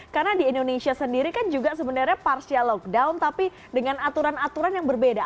karena di indonesia sendiri kan juga sebenarnya partial lockdown tapi dengan aturan aturan yang berbeda